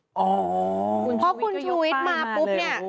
อ๋อคุณชูวิทย์ก็ยกป้ายมาเลยพอคุณชูวิทย์มาปุ๊บเนี่ย